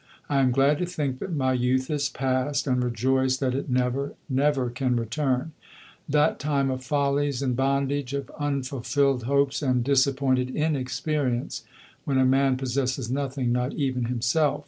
I am glad to think that my youth is past, and rejoice that it never, never can return that time of follies and bondage, of unfulfilled hopes and disappointed _in_experience, when a man possesses nothing, not even himself.